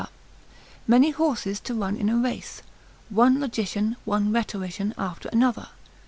many horses to run in a race, one logician, one rhetorician, after another.